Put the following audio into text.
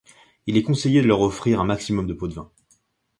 Il est conseillé de leur offrir un maximum de pots-de-vins.